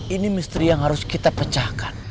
ini misteri yang harus kita pecahkan